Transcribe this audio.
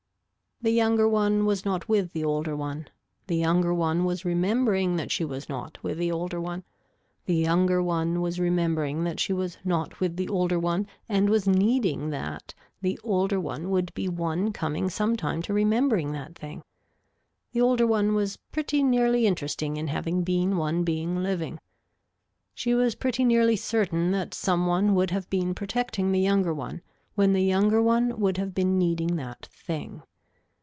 The younger one was not with the older one. The younger one was remembering that she was not with the older one. The younger one was remembering that she was not with the older one and was needing that the older one would be one coming sometime to remembering that thing. The older one was pretty nearly interesting in having been one being living. She was pretty nearly certain that some one would have been protecting the younger one when the younger one would have been needing that thing.